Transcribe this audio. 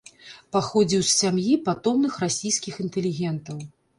Паходзіў з сям'і патомных расійскіх інтэлігентаў.